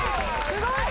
すごい！